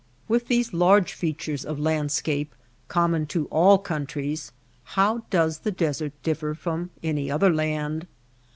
With these large features of landscape com mon to all countries, how does the desert differ from any other land